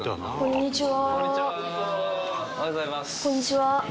こんにちは。